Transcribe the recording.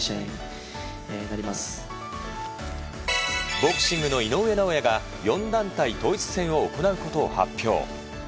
ボクシングの井上尚弥が４団体統一戦を行うことを発表。